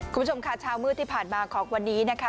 คุณผู้ชมค่ะเช้ามืดที่ผ่านมาของวันนี้นะคะ